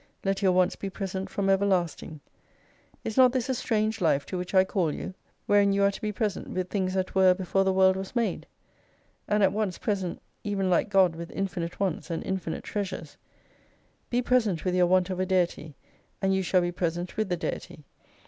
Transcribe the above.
Let your wants be present from everlasting. Is not this a strange life to which I call you ? Wherein you are to be present with things that were before the world was made ? And at once present even like God with infinite wants and infinite Treasures •. Be present with your want of a Deity, and you shall be present with the Deity.